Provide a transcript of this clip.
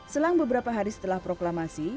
selang beberapa hari setelah proklamasi